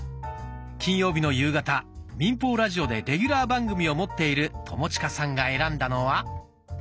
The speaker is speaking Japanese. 金曜日の夕方民放ラジオでレギュラー番組を持っている友近さんが選んだのは。